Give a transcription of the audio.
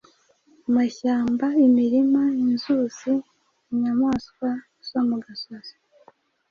amashyambaimirimainzuziinyamaswa zo mu gasozi